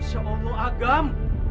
masya allah agam